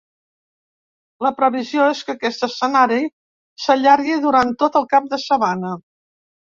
La previsió és que aquest escenari s’allargui durant tot el cap de setmana.